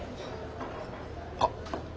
あっ！